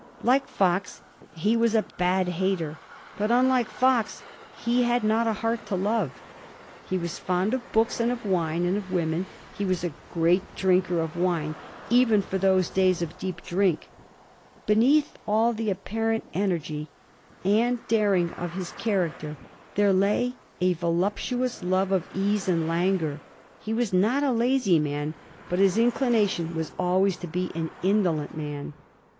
Like Fox, he was a bad hater, but, unlike Fox, he had not a heart to love. He was fond of books, and of wine, and of women ; he was a great drinker of wine, even for those days of deep drink. Beneath all the apparent energy and daring of his character there lay a voluptuous love of ease and languor. He was not a lazy man, but his inclination was always to be an indolent man.